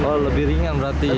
oh lebih ringan berarti ya